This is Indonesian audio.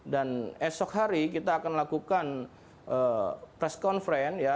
esok hari kita akan lakukan press conference